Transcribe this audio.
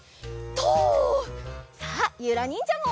とう！さあゆらにんじゃも。